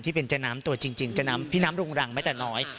เป็นเจ้าน้ำตัวจริงพี่น้ำรุงรังไม่แต่น้อย